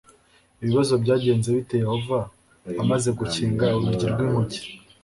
ibibazo byagenze bite yehova amaze gukinga urugi rw inkuge